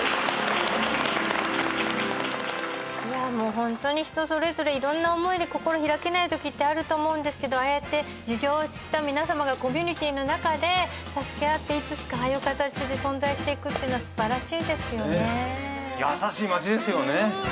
ホントに人それぞれいろんな思いで心開けないときってあると思うんですけどああやって事情を知った皆さまがコミュニティーの中で助け合っていつしかああいう形で存在していくっていうのは素晴らしいですよね。